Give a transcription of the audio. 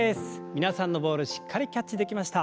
皆さんのボールしっかりキャッチできました。